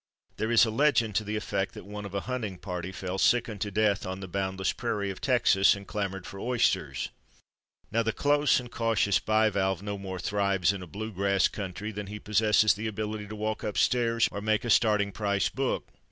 There is a legend to the effect that one of a hunting party fell sick unto death, on the boundless prairie of Texas, and clamoured for oysters. Now the close and cautious bivalve no more thrives in a blue grass country than he possesses the ability to walk up stairs, or make a starting price book.